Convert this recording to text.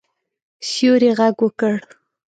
سیوري غږ وکړ.